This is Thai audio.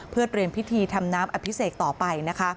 เพื่อเตรียมพิธีทำน้ำอภิเษกต่อไปนะคะ